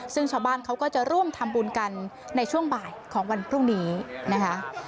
ซึ่งชาวบ้านเขาก็จะร่วมทำบุญกันในช่วงบ่ายของวันพรุ่งนี้นะคะ